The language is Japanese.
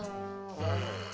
うん。